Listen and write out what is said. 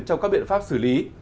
trong các biện pháp xử lý